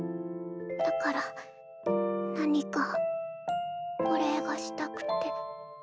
だから何かお礼がしたくって。